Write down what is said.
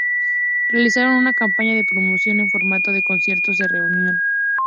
Realizaron una campaña de promoción en formato de conciertos de reunión.